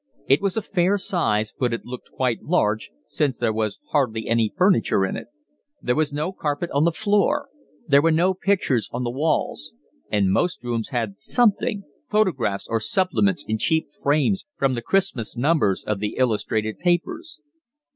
It was a fair size, but it looked quite large, since there was hardly any furniture in it; there was no carpet on the floor; there were no pictures on the walls; and most rooms had something, photographs or supplements in cheap frames from the Christmas numbers of the illustrated papers.